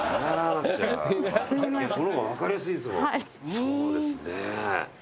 そうですね。